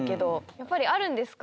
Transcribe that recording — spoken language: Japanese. やっぱりあるんですか？